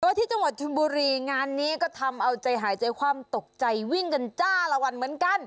ที่จังหวัดชนบุรีงานนี้ก็ทำเอาใจหายใจความตกใจวิ่งกันจ้าละวันเหมือนกัน